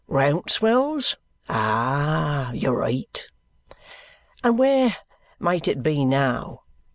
"Rouncewell's? Ah! You're right." "And where might it be now?"